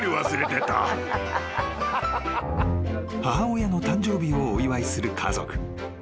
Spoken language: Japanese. ［母親の誕生日をお祝いする家族］